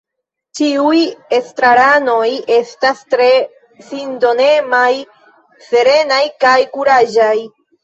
Ĉiuj estraranoj estas tre sindonemaj, serenaj kaj kuraĝaj.